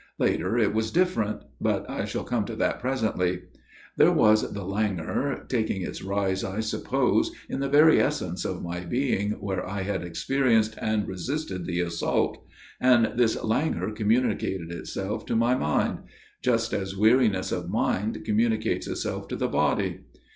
Later, it was different ; but I shall come to that pres ently. There was the languor, taking its rise I suppose in the very essence of my being where I had experienced and resisted the assault, and this languor communicated itself to my mind ; just as weariness of mind communicates itself to the body.